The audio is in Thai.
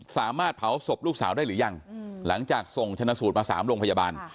สามารถเผาศพลูกสาวได้หรือยังหลังจากส่งชนะสูตรมา๓โรงพยาบาล